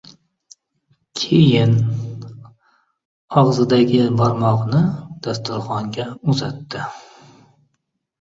Keyin, og‘zidagi barmog‘ini dasturxonga uzatdi.